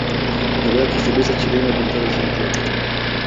Novela costumbrista chilena, ambientada en Santiago.